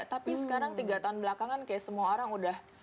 tapi sekarang tiga tahun belakangan kayak semua orang udah